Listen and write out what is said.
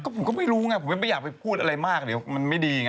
ผมก็ไม่รู้ไงผมไม่อยากไปพูดอะไรมากเดี๋ยวมันไม่ดีไง